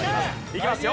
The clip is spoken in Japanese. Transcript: いきますよ。